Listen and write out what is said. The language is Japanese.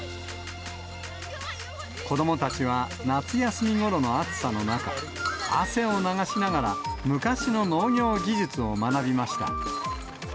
子どもたちは、夏休みごろの暑さの中、汗を流しながら昔の農業技術を学びました。